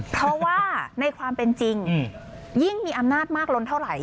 เพราะว่าในความเป็นจริงยิ่งมีอำนาจมากล้นเท่าไหร